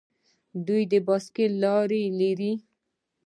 دوی د بایسکل لارې لري.